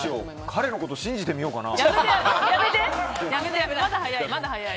彼のこと、信じてみようかな。